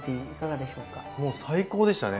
もう最高でしたね。